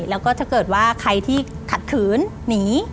แล้วก็ถ้าเกิดว่าใครที่ขัดขืนหนี